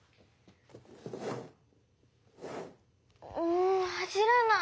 うん走らない。